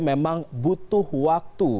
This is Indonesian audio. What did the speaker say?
memang butuh waktu